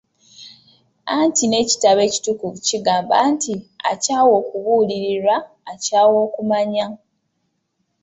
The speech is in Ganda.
Anti n'ekitabo ekitukuvu kigamba nti akyawa okubuulirirwa akyawa okumanya.